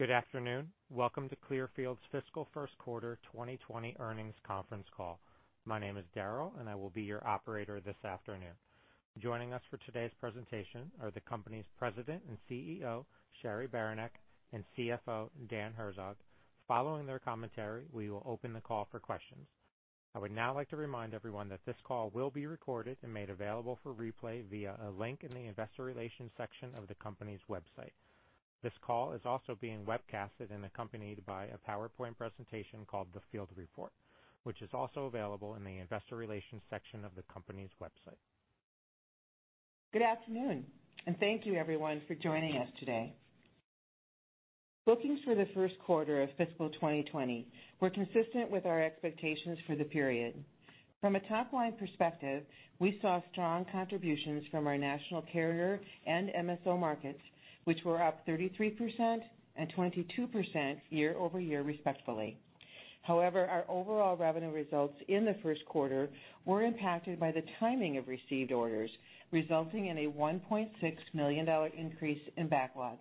Good afternoon. Welcome to Clearfield's fiscal first quarter 2020 earnings conference call. My name is Daryl, and I will be your operator this afternoon. Joining us for today's presentation are the company's President and CEO, Cheri Beranek, and CFO, Dan Herzog. Following their commentary, we will open the call for questions. I would now like to remind everyone that this call will be recorded and made available for replay via a link in the investor relations section of the company's website. This call is also being webcasted and accompanied by a PowerPoint presentation called "The Field Report," which is also available in the investor relations section of the company's website. Good afternoon. Thank you everyone for joining us today. Bookings for the first quarter of fiscal 2020 were consistent with our expectations for the period. From a top-line perspective, we saw strong contributions from our national carrier and MSO markets, which were up 33% and 22% year-over-year respectively. However, our overall revenue results in the first quarter were impacted by the timing of received orders, resulting in a $1.6 million increase in backlog.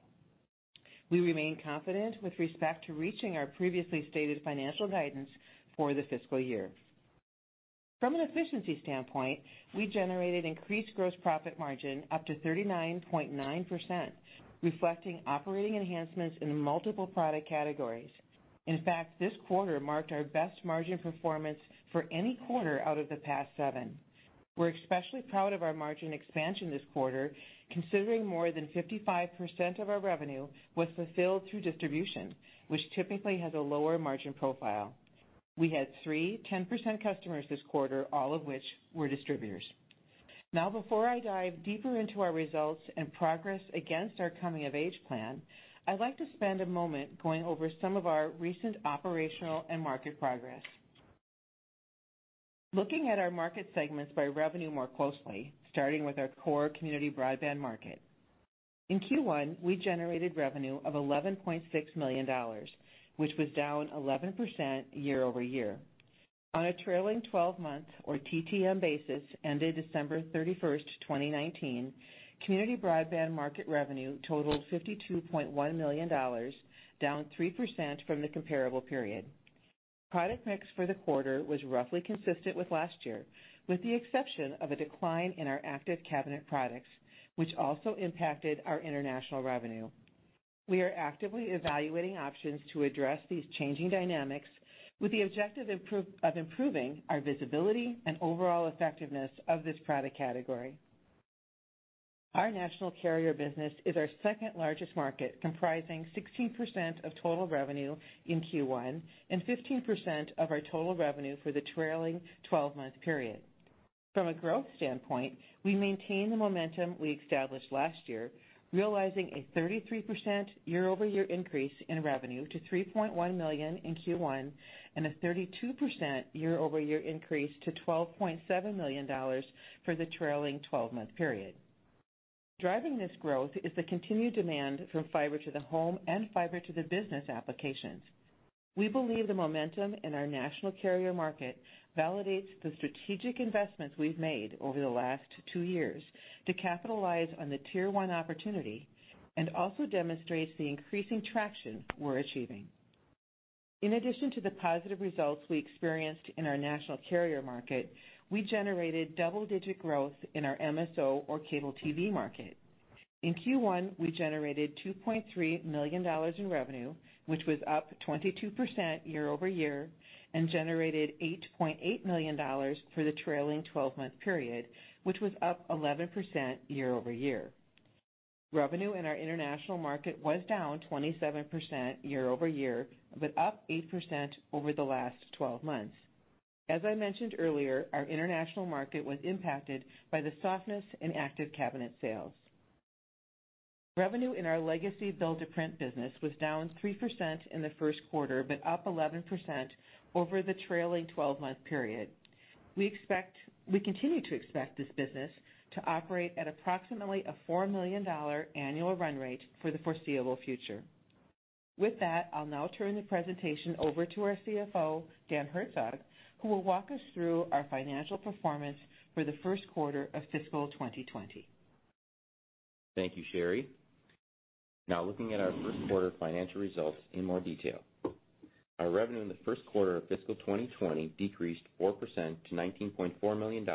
We remain confident with respect to reaching our previously stated financial guidance for the fiscal year. From an efficiency standpoint, we generated increased gross profit margin up to 39.9%, reflecting operating enhancements in multiple product categories. In fact, this quarter marked our best margin performance for any quarter out of the past seven. We're especially proud of our margin expansion this quarter, considering more than 55% of our revenue was fulfilled through distribution, which typically has a lower margin profile. We had three 10% customers this quarter, all of which were distributors. Before I dive deeper into our results and progress against our Coming of Age plan, I'd like to spend a moment going over some of our recent operational and market progress. Looking at our market segments by revenue more closely, starting with our core community broadband market. In Q1, we generated revenue of $11.6 million, which was down 11% year-over-year. On a trailing 12-month or TTM basis ended December 31, 2019, community broadband market revenue totaled $52.1 million, down 3% from the comparable period. Product mix for the quarter was roughly consistent with last year, with the exception of a decline in our active cabinet products, which also impacted our international revenue. We are actively evaluating options to address these changing dynamics with the objective of improving our visibility and overall effectiveness of this product category. Our national carrier business is our second-largest market, comprising 16% of total revenue in Q1 and 15% of our total revenue for the trailing 12-month period. From a growth standpoint, we maintained the momentum we established last year, realizing a 33% year-over-year increase in revenue to $3.1 million in Q1 and a 32% year-over-year increase to $12.7 million for the trailing 12-month period. Driving this growth is the continued demand from fiber to the home and fiber to the business applications. We believe the momentum in our national carrier market validates the strategic investments we've made over the last two years to capitalize on the Tier 1 opportunity and also demonstrates the increasing traction we're achieving. In addition to the positive results we experienced in our national carrier market, we generated double-digit growth in our MSO or cable TV market. In Q1, we generated $2.3 million in revenue, which was up 22% year-over-year, and generated $8.8 million for the trailing 12-month period, which was up 11% year-over-year. Revenue in our international market was down 27% year-over-year, but up 8% over the last 12 months. As I mentioned earlier, our international market was impacted by the softness in active cabinet sales. Revenue in our legacy build-to-print business was down 3% in the first quarter, but up 11% over the trailing 12-month period. We continue to expect this business to operate at approximately a $4 million annual run rate for the foreseeable future. With that, I'll now turn the presentation over to our CFO, Dan Herzog, who will walk us through our financial performance for the first quarter of fiscal 2020. Thank you, Cheri. Looking at our first quarter financial results in more detail. Our revenue in the first quarter of fiscal 2020 decreased 4% to $19.4 million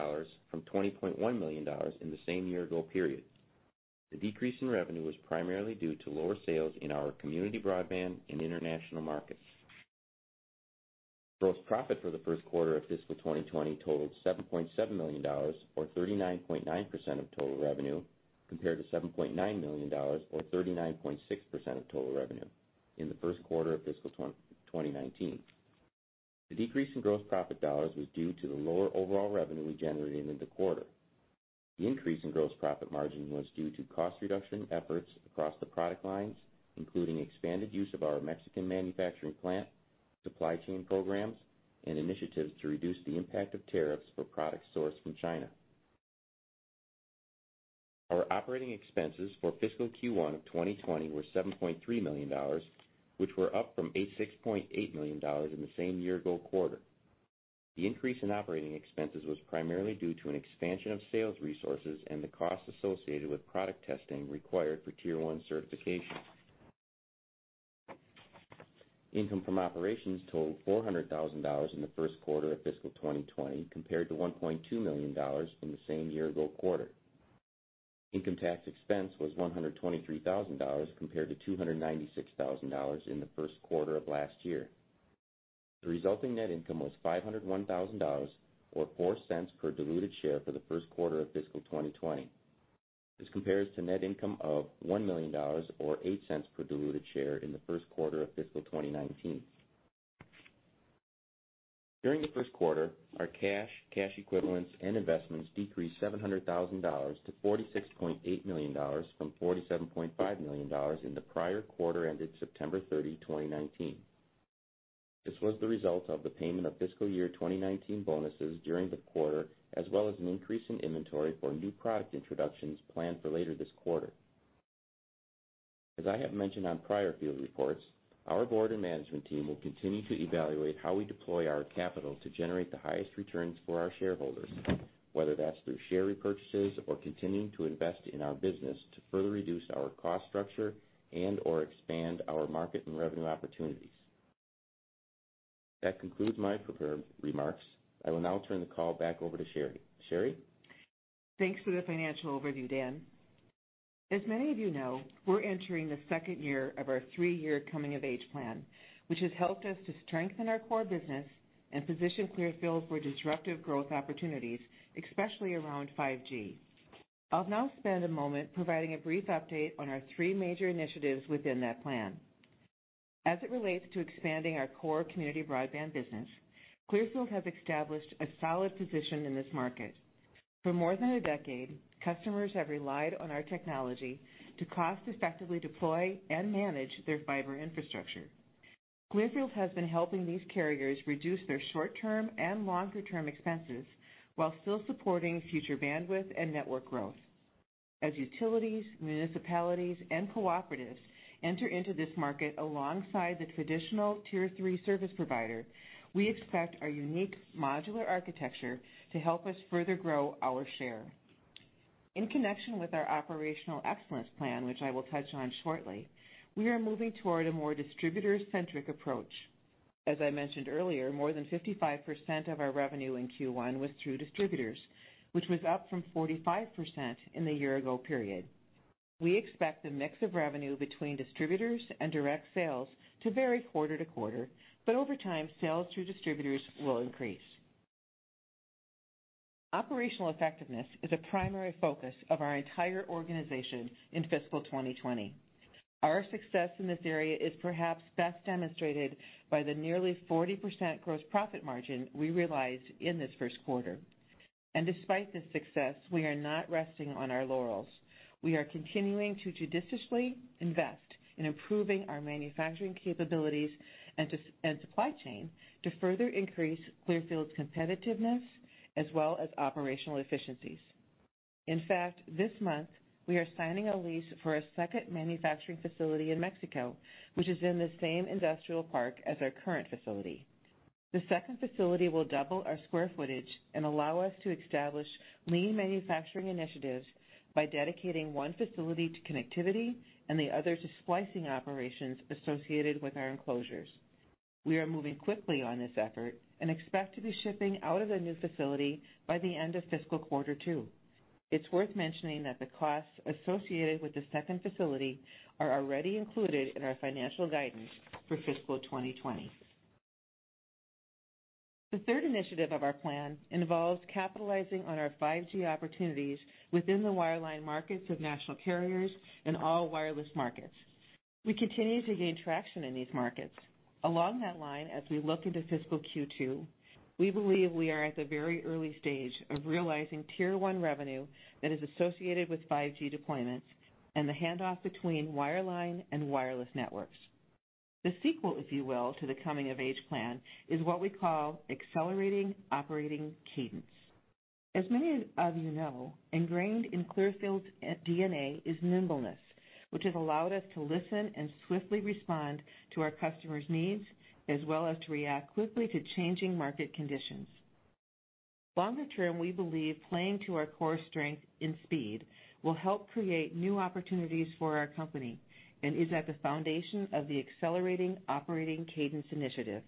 from $20.1 million in the same year-ago period. The decrease in revenue was primarily due to lower sales in our community broadband and international markets. Gross profit for the first quarter of fiscal 2020 totaled $7.7 million, or 39.9% of total revenue, compared to $7.9 million, or 39.6% of total revenue in the first quarter of fiscal 2019. The decrease in gross profit dollars was due to the lower overall revenue we generated in the quarter. The increase in gross profit margin was due to cost reduction efforts across the product lines, including expanded use of our Mexican manufacturing plant, supply chain programs, and initiatives to reduce the impact of tariffs for products sourced from China. Our operating expenses for fiscal Q1 of 2020 were $7.3 million, which were up from $6.8 million in the same year-ago quarter. The increase in operating expenses was primarily due to an expansion of sales resources and the cost associated with product testing required for Tier 1 certification. Income from operations totaled $400,000 in the first quarter of fiscal 2020 compared to $1.2 million from the same year-ago quarter. Income tax expense was $123,000 compared to $296,000 in the first quarter of last year. The resulting net income was $501,000 or $0.04 per diluted share for the first quarter of fiscal 2020. This compares to net income of $1 million or $0.08 per diluted share in the first quarter of fiscal 2019. During the first quarter, our cash equivalents, and investments decreased $700,000 to $46.8 million from $47.5 million in the prior quarter ended September 30, 2019. This was the result of the payment of fiscal year 2019 bonuses during the quarter, as well as an increase in inventory for new product introductions planned for later this quarter. As I have mentioned on prior Field Reports, our board and management team will continue to evaluate how we deploy our capital to generate the highest returns for our shareholders, whether that's through share repurchases or continuing to invest in our business to further reduce our cost structure and/or expand our market and revenue opportunities. That concludes my prepared remarks. I will now turn the call back over to Cheri. Cheri? Thanks for the financial overview, Dan. As many of you know, we're entering the second year of our three-year Coming of Age plan, which has helped us to strengthen our core business and position Clearfield for disruptive growth opportunities, especially around 5G. I'll now spend a moment providing a brief update on our three major initiatives within that plan. As it relates to expanding our core community broadband business, Clearfield has established a solid position in this market. For more than a decade, customers have relied on our technology to cost-effectively deploy and manage their fiber infrastructure. Clearfield has been helping these carriers reduce their short-term and longer-term expenses while still supporting future bandwidth and network growth. As utilities, municipalities, and cooperatives enter into this market alongside the traditional Tier 3 service provider, we expect our unique modular architecture to help us further grow our share. In connection with our operational excellence plan, which I will touch on shortly, we are moving toward a more distributor-centric approach. As I mentioned earlier, more than 55% of our revenue in Q1 was through distributors, which was up from 45% in the year-ago period. We expect the mix of revenue between distributors and direct sales to vary quarter-to-quarter, but over time, sales through distributors will increase. Operational effectiveness is a primary focus of our entire organization in fiscal 2020. Our success in this area is perhaps best demonstrated by the nearly 40% gross profit margin we realized in this first quarter. Despite this success, we are not resting on our laurels. We are continuing to judiciously invest in improving our manufacturing capabilities and supply chain to further increase Clearfield's competitiveness as well as operational efficiencies. In fact, this month, we are signing a lease for a second manufacturing facility in Mexico, which is in the same industrial park as our current facility. The second facility will double our square footage and allow us to establish lean manufacturing initiatives by dedicating one facility to connectivity and the other to splicing operations associated with our enclosures. We are moving quickly on this effort and expect to be shipping out of the new facility by the end of fiscal quarter two. It's worth mentioning that the costs associated with the second facility are already included in our financial guidance for fiscal 2020. The third initiative of our plan involves capitalizing on our 5G opportunities within the wireline markets of national carriers and all wireless markets. We continue to gain traction in these markets. Along that line, as we look into fiscal Q2, we believe we are at the very early stage of realizing Tier 1 revenue that is associated with 5G deployments and the handoff between wireline and wireless networks. The sequel, if you will, to the Coming of Age plan is what we call Accelerating Operating Cadence. As many of you know, ingrained in Clearfield's DNA is nimbleness, which has allowed us to listen and swiftly respond to our customers' needs, as well as to react quickly to changing market conditions. Longer term, we believe playing to our core strength in speed will help create new opportunities for our company and is at the foundation of the Accelerating Operating Cadence initiative.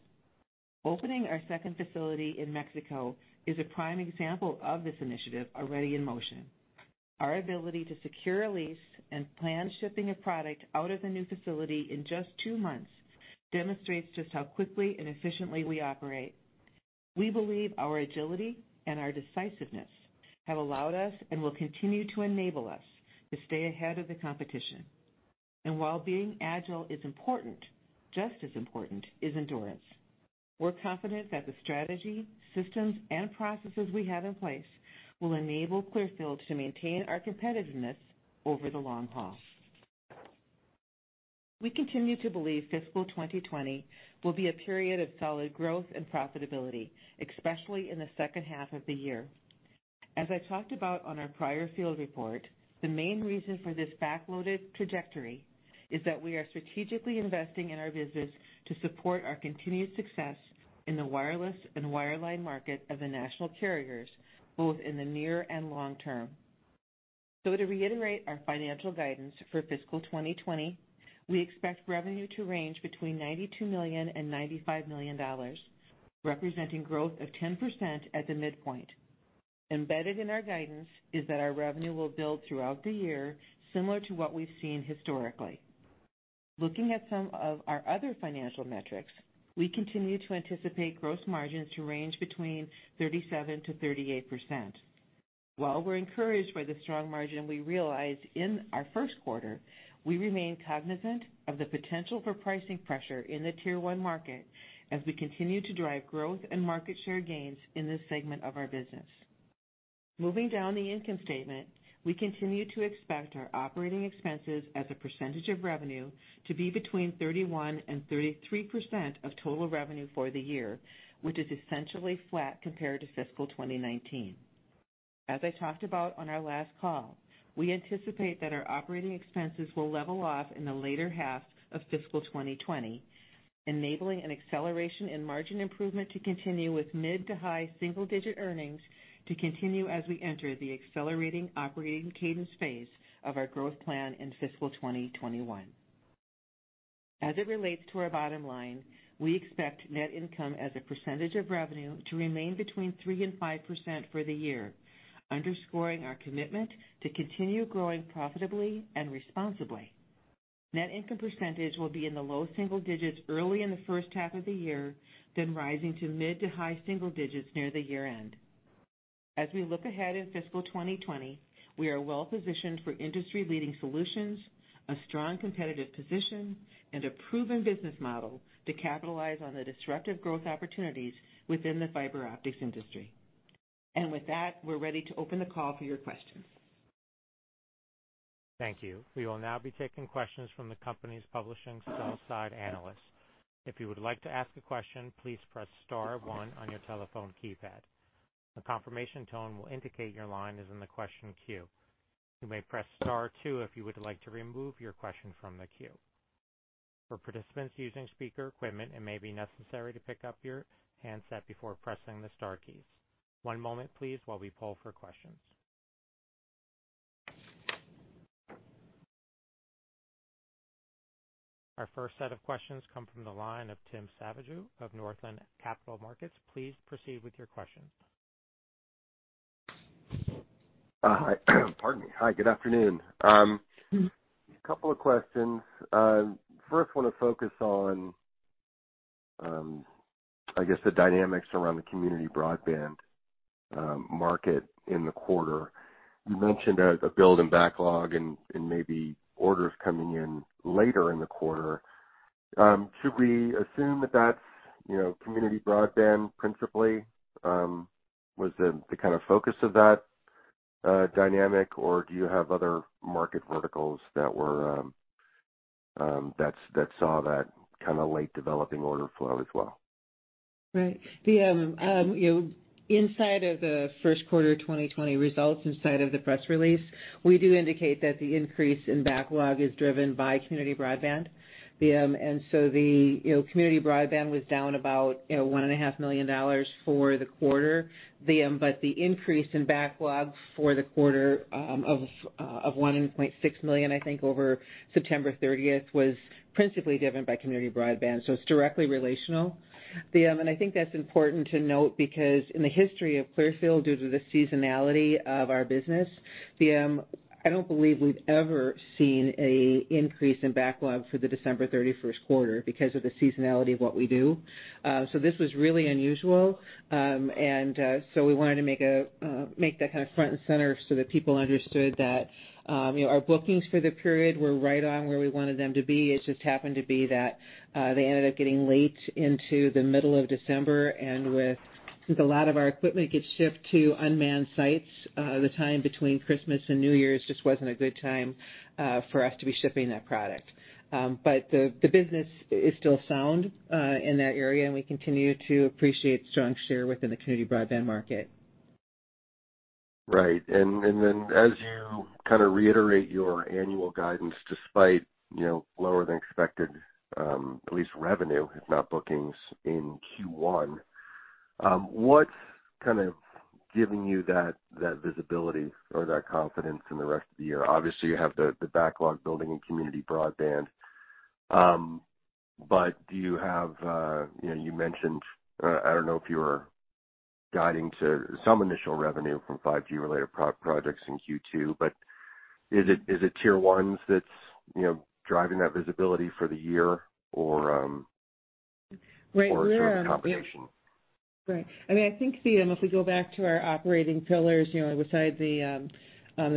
Opening our second facility in Mexico is a prime example of this initiative already in motion. Our ability to secure a lease and plan shipping a product out of the new facility in just two months demonstrates just how quickly and efficiently we operate. We believe our agility and our decisiveness have allowed us and will continue to enable us to stay ahead of the competition. While being agile is important, just as important is endurance. We're confident that the strategy, systems, and processes we have in place will enable Clearfield to maintain our competitiveness over the long haul. We continue to believe fiscal 2020 will be a period of solid growth and profitability, especially in the second half of the year. As I talked about on our prior Field Report, the main reason for this back-loaded trajectory is that we are strategically investing in our business to support our continued success in the wireless and wireline market of the national carriers, both in the near and long term. To reiterate our financial guidance for fiscal 2020, we expect revenue to range between $92 million and $95 million, representing growth of 10% at the midpoint. Embedded in our guidance is that our revenue will build throughout the year, similar to what we've seen historically. Looking at some of our other financial metrics, we continue to anticipate gross margins to range between 37%-38%. While we're encouraged by the strong margin we realized in our first quarter, we remain cognizant of the potential for pricing pressure in the Tier One market as we continue to drive growth and market share gains in this segment of our business. Moving down the income statement, we continue to expect our operating expenses as a percentage of revenue to be between 31%-33% of total revenue for the year, which is essentially flat compared to fiscal 2019. As I talked about on our last call, we anticipate that our operating expenses will level off in the later half of fiscal 2020, enabling an acceleration in margin improvement to continue with mid to high single-digit earnings to continue as we enter the Accelerating Operating Cadence phase of our growth plan in fiscal 2021. As it relates to our bottom line, we expect net income as a percentage of revenue to remain between 3% and 5% for the year, underscoring our commitment to continue growing profitably and responsibly. Net income percentage will be in the low single digits early in the first half of the year, then rising to mid to high single digits near the year-end. As we look ahead in fiscal 2020, we are well-positioned for industry-leading solutions, a strong competitive position, and a proven business model to capitalize on the disruptive growth opportunities within the fiber optics industry. With that, we're ready to open the call for your questions. Thank you. We will now be taking questions from the company's publishing sell side analysts. If you would like to ask a question, please press star one on your telephone keypad. A confirmation tone will indicate your line is in the question queue. You may press star two if you would like to remove your question from the queue. For participants using speaker equipment, it may be necessary to pick up your handset before pressing the star keys. One moment please while we poll for questions. Our first set of questions come from the line of Timothy Savageaux of Northland Capital Markets. Please proceed with your questions. Pardon me. Hi, good afternoon. A couple of questions. First, want to focus on, I guess, the dynamics around the community broadband market in the quarter. You mentioned a build in backlog and maybe orders coming in later in the quarter. Should we assume that that's community broadband principally? Was the focus of that dynamic, or do you have other market verticals that saw that kind of late developing order flow as well? Right. Inside of the first quarter 2020 results, inside of the press release, we do indicate that the increase in backlog is driven by community broadband. The community broadband was down about $1.5 million for the quarter. The increase in backlog for the quarter of $1.6 million, I think, over September 30th was principally driven by community broadband. It's directly relational. I think that's important to note because in the history of Clearfield, due to the seasonality of our business, I don't believe we've ever seen an increase in backlog for the December 31st quarter because of the seasonality of what we do. This was really unusual. We wanted to make that front and center so that people understood that our bookings for the period were right on where we wanted them to be. It just happened to be that they ended up getting late into the middle of December, and with a lot of our equipment gets shipped to unmanned sites, the time between Christmas and New Year's just wasn't a good time for us to be shipping that product. The business is still sound in that area, and we continue to appreciate strong share within the community broadband market. Right. As you reiterate your annual guidance despite lower than expected, at least revenue, if not bookings, in Q1, what's giving you that visibility or that confidence in the rest of the year? Obviously, you have the backlog building in community broadband. Do you have, you mentioned, I don't know if you were guiding to some initial revenue from 5G-related projects in Q2, but is it Tier Ones that's driving that visibility for the year or- Right. Or a combination? I think if we go back to our operating pillars, besides the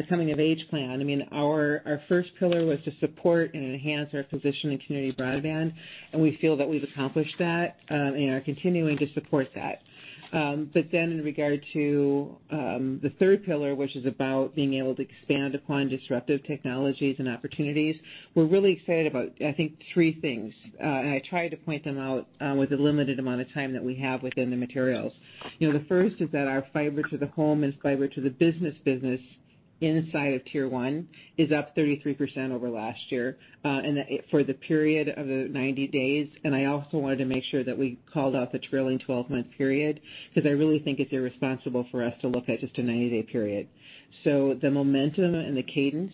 Coming of Age plan, our first pillar was to support and enhance our position in community broadband, and we feel that we've accomplished that and are continuing to support that. In regard to the third pillar, which is about being able to expand upon disruptive technologies and opportunities, we're really excited about, I think, three things. I tried to point them out with the limited amount of time that we have within the materials. The first is that our fiber to the home and fiber to the business business inside of Tier One is up 33% over last year for the period of the 90 days. I also wanted to make sure that we called out the trailing 12-month period, because I really think it's irresponsible for us to look at just a 90-day period. The momentum and the cadence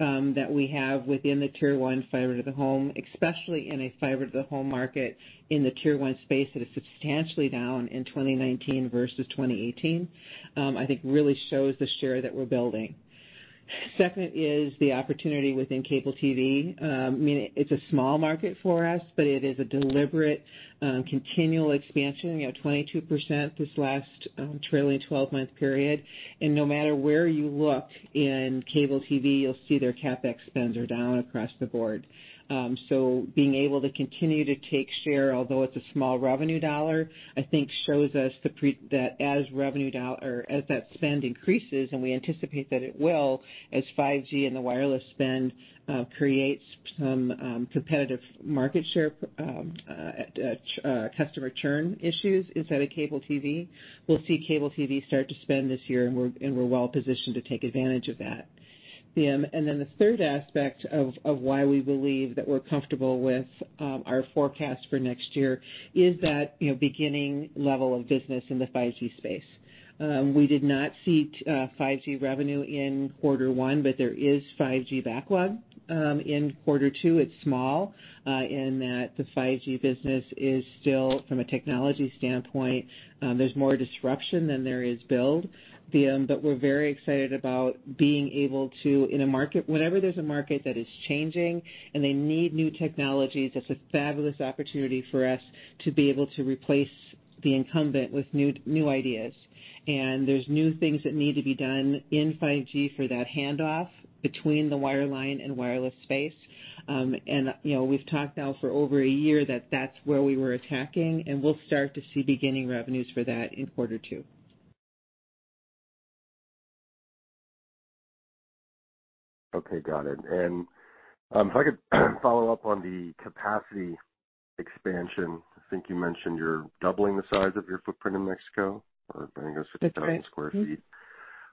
that we have within the Tier One fiber to the home, especially in a fiber to the home market in the Tier One space that is substantially down in 2019 versus 2018, I think really shows the share that we're building. Second is the opportunity within cable TV. It's a small market for us, but it is a deliberate, continual expansion. We had 22% this last trailing 12-month period. No matter where you look in cable TV, you'll see their CapEx spends are down across the board. Being able to continue to take share, although it's a small revenue dollar, I think shows us that as that spend increases, and we anticipate that it will, as 5G and the wireless spend creates some competitive market share customer churn issues inside of cable TV. We'll see cable TV start to spend this year, and we're well positioned to take advantage of that. The third aspect of why we believe that we're comfortable with our forecast for next year is that beginning level of business in the 5G space. We did not see 5G revenue in quarter one, but there is 5G backlog in quarter two. It's small in that the 5G business is still, from a technology standpoint, there's more disruption than there is build. We're very excited about being able to, whenever there's a market that is changing and they need new technologies, that's a fabulous opportunity for us to be able to replace the incumbent with new ideas. There's new things that need to be done in 5G for that handoff between the wireline and wireless space. We've talked now for over a year that that's where we were attacking, and we'll start to see beginning revenues for that in quarter two. Okay, got it. If I could follow up on the capacity expansion, I think you mentioned you're doubling the size of your footprint in Mexico or bringing us 50,000 sq ft. That's right.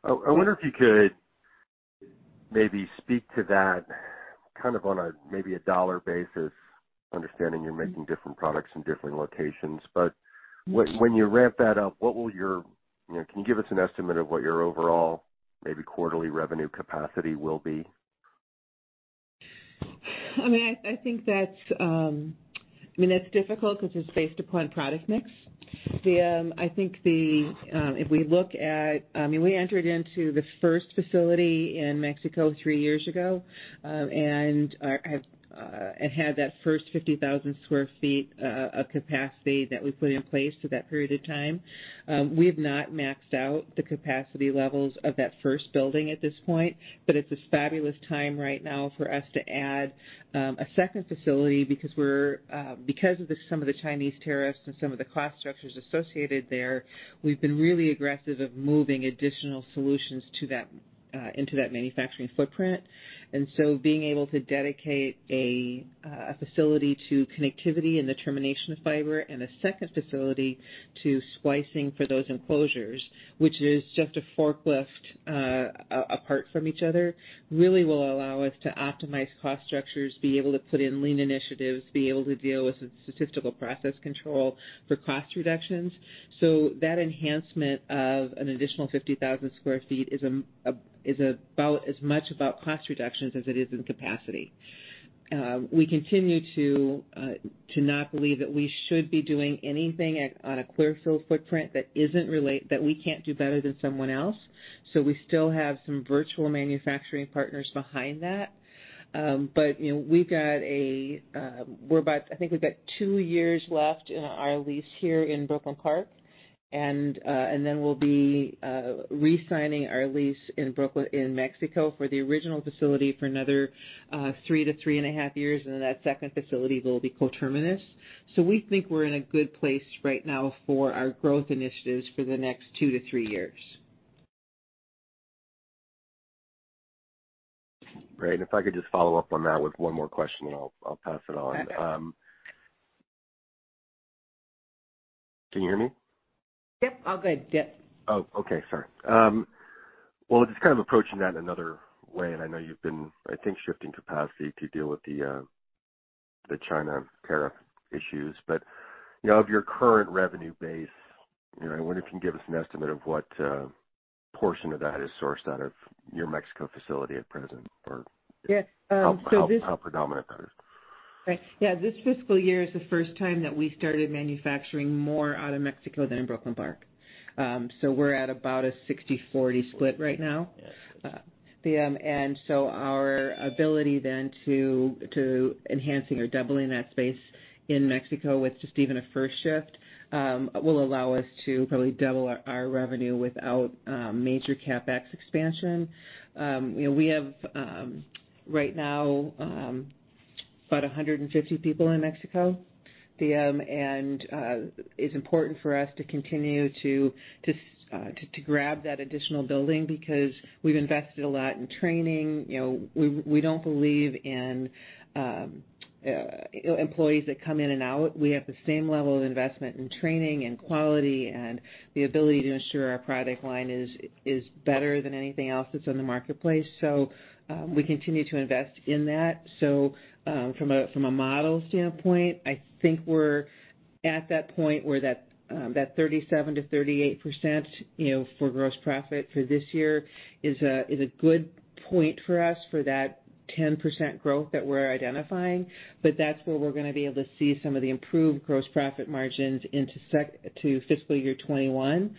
I wonder if you could maybe speak to that on maybe a dollar basis, understanding you're making different products in different locations. When you ramp that up, can you give us an estimate of what your overall maybe quarterly revenue capacity will be? I think that's difficult because it's based upon product mix. We entered into the first facility in Mexico three years ago, had that first 50,000 sq ft of capacity that we put in place at that period of time. We have not maxed out the capacity levels of that first building at this point, but it's a fabulous time right now for us to add a second facility because of some of the Chinese tariffs and some of the cost structures associated there, we've been really aggressive of moving additional solutions into that manufacturing footprint. Being able to dedicate a facility to connectivity and the termination of fiber, and a second facility to splicing for those enclosures, which is just a forklift apart from each other, really will allow us to optimize cost structures, be able to put in lean initiatives, be able to deal with statistical process control for cost reductions. That enhancement of an additional 50,000 sq ft is about as much about cost reductions as it is in capacity. We continue to not believe that we should be doing anything on a Clearfield footprint that we can't do better than someone else. We still have some virtual manufacturing partners behind that. I think we've got two years left in our lease here in Brooklyn Park, then we'll be re-signing our lease in Mexico for the original facility for another three to three and a half years, then that second facility will be coterminous. We think we're in a good place right now for our growth initiatives for the next two to three years. Great. If I could just follow up on that with one more question, I'll pass it on. Okay. Can you hear me? Yep, all good. Yep. Oh, okay. Sorry. Just kind of approaching that another way, and I know you've been, I think, shifting capacity to deal with the China tariff issues. Of your current revenue base, I wonder if you can give us an estimate of what portion of that is sourced out of your Mexico facility at present. Yeah. How predominant that is. Right. Yeah. This fiscal year is the first time that we started manufacturing more out of Mexico than in Brooklyn Park. We're at about a 60/40 split right now. Yeah. Our ability then to enhancing or doubling that space in Mexico with just even a first shift, will allow us to probably double our revenue without major CapEx expansion. We have, right now, about 150 people in Mexico. It's important for us to continue to grab that additional building, because we've invested a lot in training. We don't believe in employees that come in and out. We have the same level of investment in training and quality, and the ability to ensure our product line is better than anything else that's on the marketplace. We continue to invest in that. From a model standpoint, I think we're at that point where that 37%-38% for gross profit for this year is a good point for us for that 10% growth that we're identifying. That's where we're going to be able to see some of the improved gross profit margins into fiscal year 2021,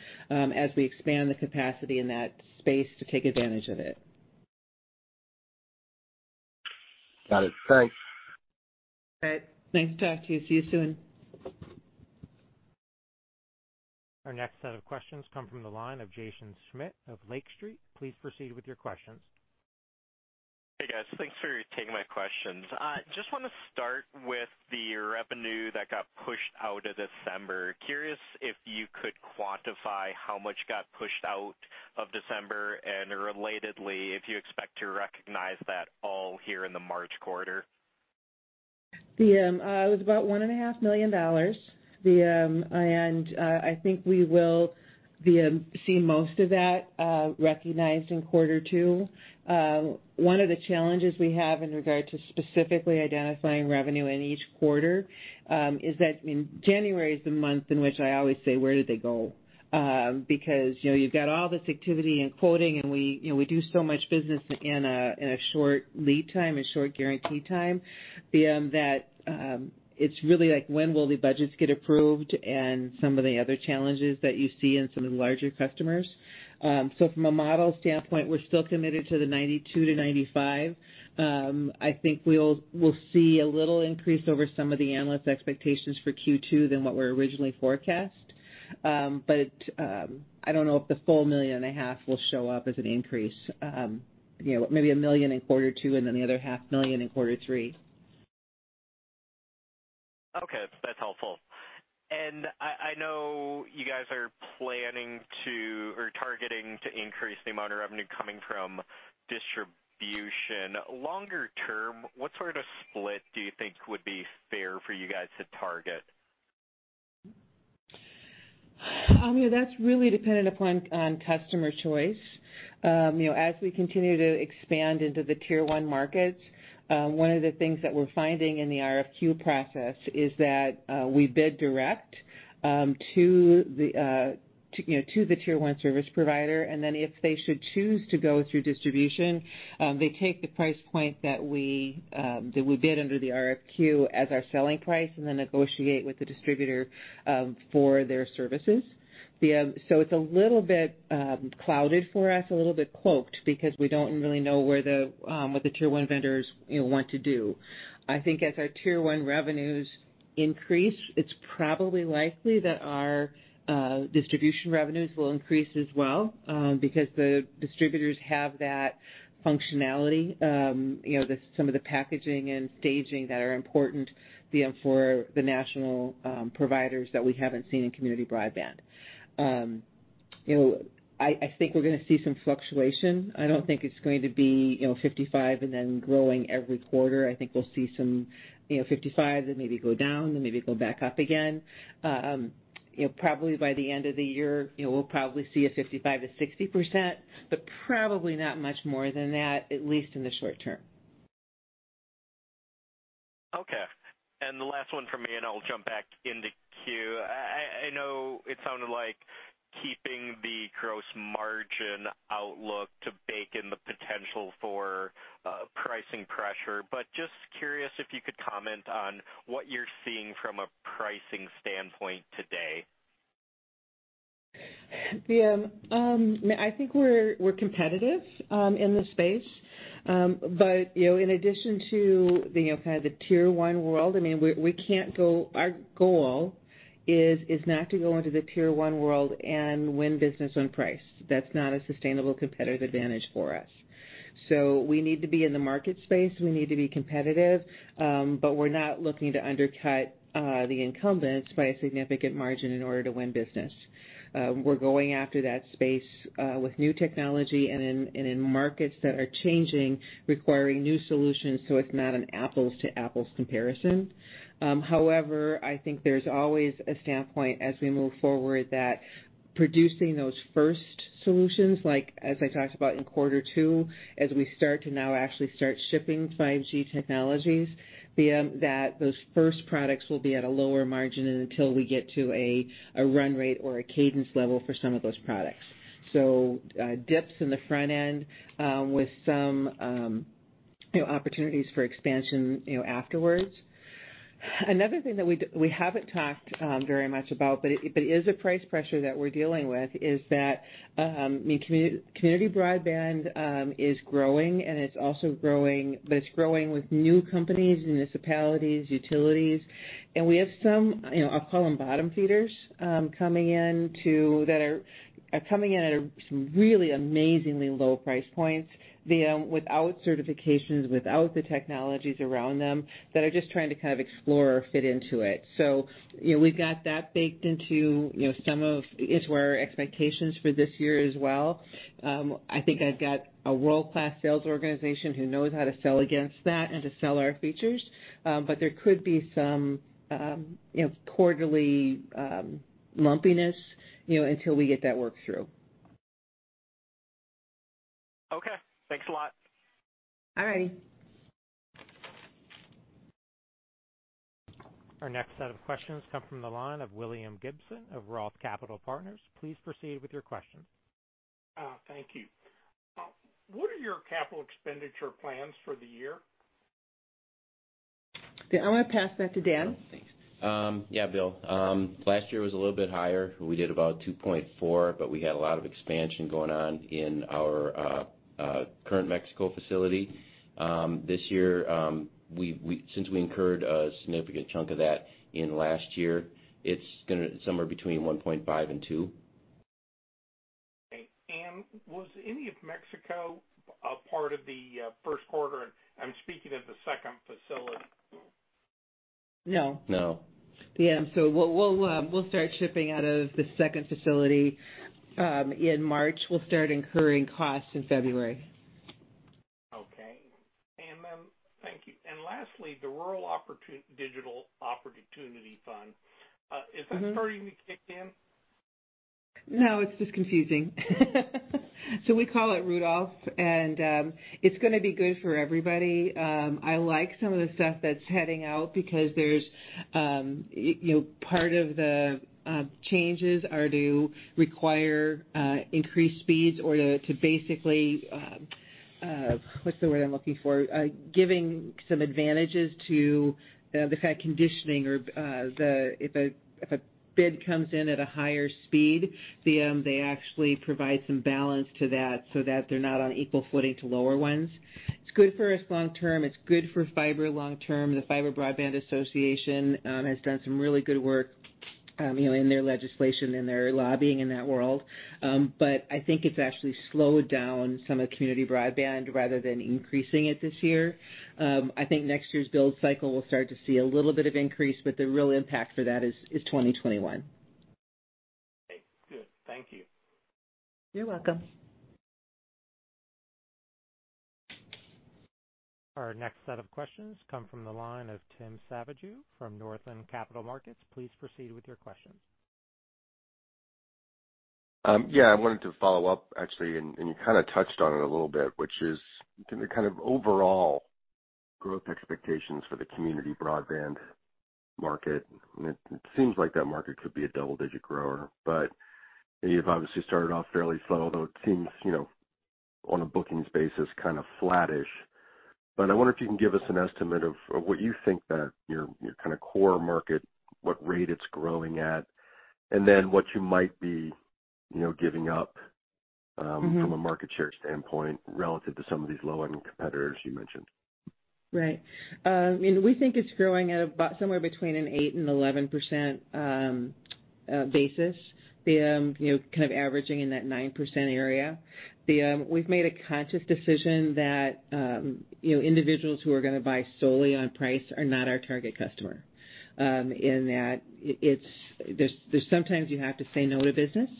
as we expand the capacity in that space to take advantage of it. Got it. Thanks. All right. Nice to talk to you. See you soon. Our next set of questions come from the line of Jaeson Schmidt of Lake Street. Please proceed with your questions. Hey, guys. Thanks for taking my questions. I just want to start with the revenue that got pushed out of December. Curious if you could quantify how much got pushed out of December, and relatedly, if you expect to recognize that all here in the March quarter. It was about $1.5 million. I think we will see most of that recognized in quarter two. One of the challenges we have in regard to specifically identifying revenue in each quarter is that January is the month in which I always say, "Where did they go?" Because you've got all this activity and quoting, and we do so much business in a short lead time, a short guarantee time, that it's really like when will the budgets get approved and some of the other challenges that you see in some of the larger customers. From a model standpoint, we're still committed to the 92 to 95. I think we'll see a little increase over some of the analysts' expectations for Q2 than what were originally forecast. I don't know if the full million and a half will show up as an increase. Maybe a million in quarter two and then the other half million in quarter three. Okay. That's helpful. I know you guys are planning to, or targeting to increase the amount of revenue coming from distribution. Longer term, what sort of split do you think would be fair for you guys to target? That's really dependent upon customer choice. As we continue to expand into the Tier 1 markets, one of the things that we're finding in the RFQ process is that we bid direct to the Tier 1 service provider, and then if they should choose to go through distribution, they take the price point that we bid under the RFQ as our selling price and then negotiate with the distributor for their services. It's a little bit clouded for us, a little bit cloaked, because we don't really know what the Tier 1 vendors want to do. I think as our Tier 1 revenues increase, it's probably likely that our distribution revenues will increase as well, because the distributors have that functionality. Some of the packaging and staging that are important for the national providers that we haven't seen in community broadband. I think we're going to see some fluctuation. I don't think it's going to be 55 and then growing every quarter. I think we'll see some 55, then maybe go down, then maybe go back up again. Probably by the end of the year, we'll probably see a 55%-60%, but probably not much more than that, at least in the short term. Okay. The last one from me, and I'll jump back in the queue. I know it sounded like keeping the gross margin outlook to bake in the potential for pricing pressure, but just curious if you could comment on what you're seeing from a pricing standpoint today. I think we're competitive in this space. In addition to the kind of the Tier 1 world, our goal is not to go into the Tier 1 world and win business on price. That's not a sustainable competitive advantage for us. We need to be in the market space, we need to be competitive, but we're not looking to undercut the incumbents by a significant margin in order to win business. We're going after that space with new technology and in markets that are changing, requiring new solutions, so it's not an apples-to-apples comparison. However, I think there's always a standpoint as we move forward that producing those first solutions, like as I talked about in quarter two, as we start to now actually start shipping 5G technologies, that those first products will be at a lower margin until we get to a run rate or a cadence level for some of those products. Dips in the front end with some opportunities for expansion afterwards. Another thing that we haven't talked very much about, but it is a price pressure that we're dealing with, is that community broadband is growing, but it's growing with new companies, municipalities, utilities, and we have some, I'll call them bottom-feeders, coming in at some really amazingly low price points without certifications, without the technologies around them, that are just trying to explore or fit into it. We've got that baked into where our expectations for this year as well. I think I've got a world-class sales organization who knows how to sell against that and to sell our features. There could be some quarterly lumpiness until we get that worked through. Okay. Thanks a lot. All righty. Our next set of questions come from the line of William Gibson of ROTH Capital Partners. Please proceed with your questions. Thank you. What are your capital expenditure plans for the year? Okay. I'm going to pass that to Dan. Oh, thanks. Yeah, Bill. Last year was a little bit higher. We did about $2.4 million, but we had a lot of expansion going on in our current Mexico facility. This year, since we incurred a significant chunk of that in last year, it's going to somewhere between $1.5 million and $2 million. Okay. Was any of Mexico a part of the first quarter? I'm speaking of the second facility. No. No. Yeah. We'll start shipping out of the second facility in March. We'll start incurring costs in February. Okay. Thank you. Lastly, the Rural Digital Opportunity Fund. Is that starting to kick in? No, it's just confusing. We call it RDOF, and it's going to be good for everybody. I like some of the stuff that's heading out because part of the changes are to require increased speeds or to basically, what's the word I'm looking for? Giving some advantages to the fact conditioning or if a bid comes in at a higher speed, they actually provide some balance to that so that they're not on equal footing to lower ones. It's good for us long term. It's good for fiber long term. The Fiber Broadband Association has done some really good work in their legislation and their lobbying in that world. I think it's actually slowed down some of community broadband rather than increasing it this year. I think next year's build cycle will start to see a little bit of increase, but the real impact for that is 2021. Okay, good. Thank you. You're welcome. Our next set of questions come from the line of Tim Savageaux from Northland Capital Markets. Please proceed with your questions. Yeah, I wanted to follow up, actually, and you kind of touched on it a little bit, which is the kind of overall growth expectations for the community broadband market. It seems like that market could be a double-digit grower, but you've obviously started off fairly slow, although it seems, on a bookings basis, kind of flattish. I wonder if you can give us an estimate of what you think that your core market, what rate it's growing at, and then what you might be giving up. from a market share standpoint relative to some of these lower-end competitors you mentioned. Right. We think it's growing at about somewhere between an 8% and 11% basis, kind of averaging in that 9% area. We've made a conscious decision that individuals who are going to buy solely on price are not our target customer, in that there's sometimes you have to say no to business.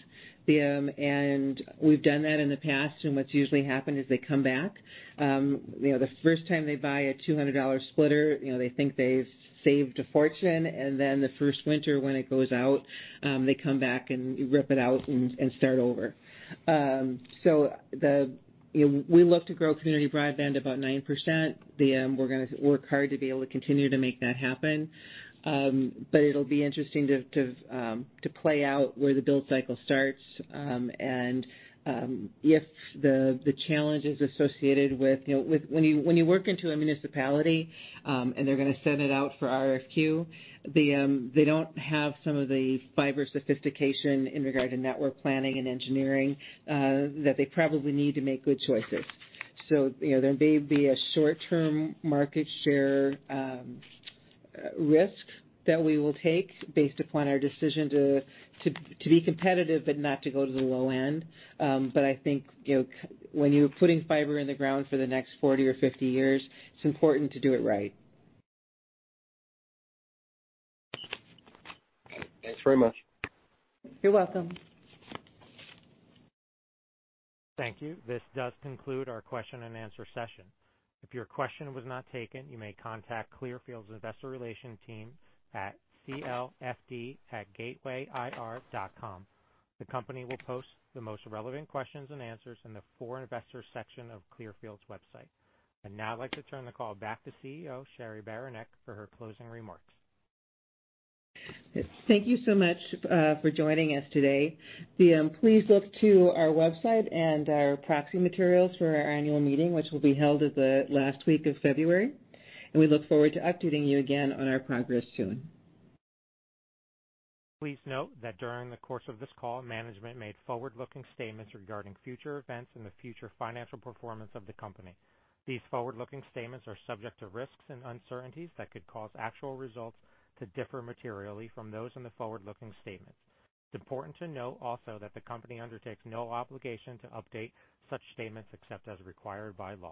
We've done that in the past, and what's usually happened is they come back. The first time they buy a $200 splitter, they think they've saved a fortune, and then the first winter when it goes out, they come back and you rip it out and start over. We look to grow community broadband about 9%. We're going to work hard to be able to continue to make that happen. It'll be interesting to play out where the build cycle starts and if the challenges associated with, when you work into a municipality and they're going to send it out for RFQ, they don't have some of the fiber sophistication in regard to network planning and engineering that they probably need to make good choices. There may be a short-term market share risk that we will take based upon our decision to be competitive, but not to go to the low end. I think when you're putting fiber in the ground for the next 40 or 50 years, it's important to do it right. Thanks very much. You're welcome. Thank you. This does conclude our question and answer session. If your question was not taken, you may contact Clearfield's investor relations team at clfd@gatewayir.com. The company will post the most relevant questions and answers in the For Investors section of Clearfield's website. I'd now like to turn the call back to CEO Cheri Beranek for her closing remarks. Thank you so much for joining us today. Please look to our website and our proxy materials for our annual meeting, which will be held at the last week of February. We look forward to updating you again on our progress soon. Please note that during the course of this call, management made forward-looking statements regarding future events and the future financial performance of the company. These forward-looking statements are subject to risks and uncertainties that could cause actual results to differ materially from those in the forward-looking statement. It's important to note also that the company undertakes no obligation to update such statements except as required by law.